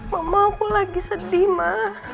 mama aku lagi sedih ma